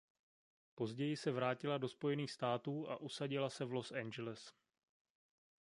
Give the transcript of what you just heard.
Později se vrátila do Spojených států a usadila se v Los Angeles.